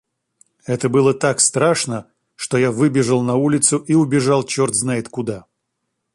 Это было так страшно, что я выбежал на улицу и убежал чёрт знает куда.